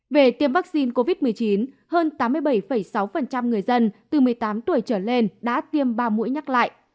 về tiêm vaccine covid một mươi chín hơn tám mươi bảy sáu người dân từ một mươi tám tuổi trở lên đã tiêm ba mũi nhắc lại